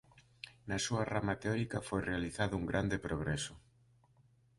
Na súa rama teórica foi realizado un grande progreso.